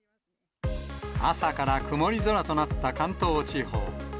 朝から曇り空となった関東地方。